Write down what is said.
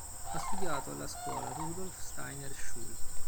Ha studiato alla scuola "Rudolf Steiner Schule".